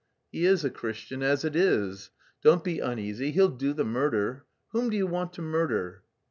"He is a Christian as it is. Don't be uneasy, he'll do the murder. Whom do you want to murder?"